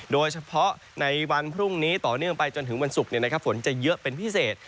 โดยเฉพาะในวันพรุ่งนี้ต่อเนื่องไปจนถึงวันศุกร์ฝนจะเยอะเป็นพิเศษ